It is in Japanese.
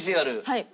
はい。